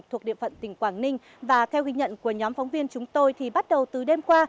thuộc địa phận tỉnh quảng ninh và theo ghi nhận của nhóm phóng viên chúng tôi thì bắt đầu từ đêm qua